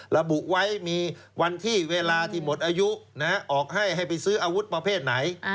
ระบุไว้มีวันที่เวลาที่หมดอายุออกให้ให้ไปซื้ออาวุธประเภทไหน